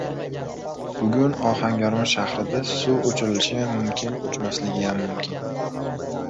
Bugun Ohangaron shahrida suv oʻchirilishiyam mumkin, oʻchmasligiyam mumkin.